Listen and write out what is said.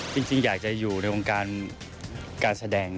จริงอยากจะอยู่ในวงการการแสดง